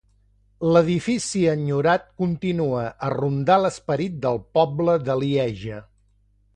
L'edifici enyorat continua a rondar l'esperit del poble de Lieja.